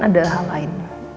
ada hal lain